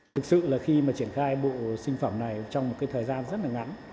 thực sự là khi mà triển khai bộ sinh phẩm này trong một cái thời gian rất là ngắn